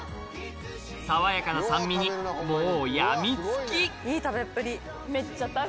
爽やかな酸味にもう病みつき